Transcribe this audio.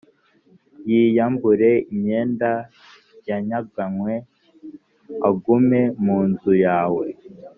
yiyambure imyenda yanyaganywe, agume mu nzu yawe,